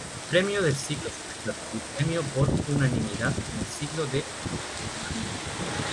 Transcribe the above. Premio del Ciclo Superior y Premio por unanimidad en el Ciclo de Perfeccionamiento.